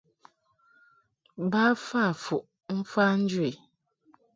Ba fa fuʼ mfa njɨ i.